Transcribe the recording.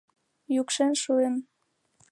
— Йӱкшен шуын.